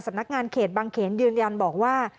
สำนักงานเขตบางเขนยืนยันบอกว่า